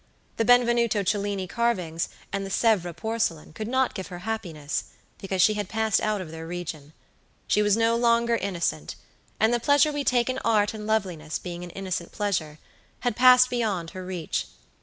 The Benvenuto Cellini carvings and the Sevres porcelain could not give her happiness, because she had passed out of their region. She was no longer innocent; and the pleasure we take in art and loveliness being an innocent pleasure, had passed beyond her reach.